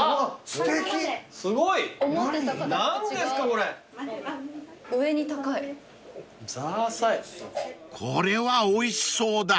［これはおいしそうだ］